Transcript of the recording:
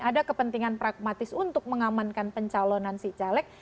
ada kepentingan pragmatis untuk mengamankan pencalonan si caleg